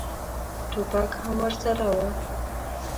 ټوپک هم ورسره و.